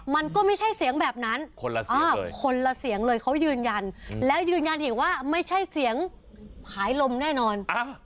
มันก็ไม่ใช่เสียงแบบนั้นคนละเสียงคนละเสียงเลยเขายืนยันแล้วยืนยันอีกว่าไม่ใช่เสียงผายลมแน่นอน